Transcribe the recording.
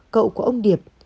cậu của ông điệp